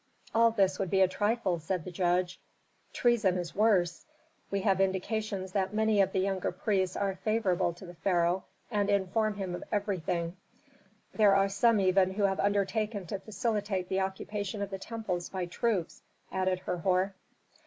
"All this would be a trifle," said the judge. "Treason is worse. We have indications that many of the younger priests are favorable to the pharaoh and inform him of everything." "There are some even who have undertaken to facilitate the occupation of the temples by troops," added Herhor.